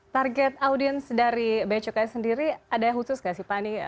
target audience dari becukai sendiri ada khusus tidak pak